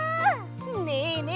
ねえねえ